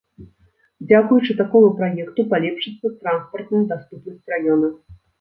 Дзякуючы такому праекту палепшыцца транспартная даступнасць раёна.